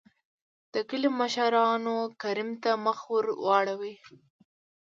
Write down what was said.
دکلي مشرانو کريم ته مخ ور ور واړو .